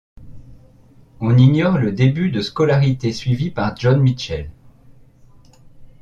On ignore le début de scolarité suivie par John Mitchell.